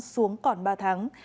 xuống còn ba tháng